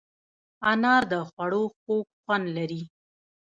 انار د خوړو خوږ خوند لري.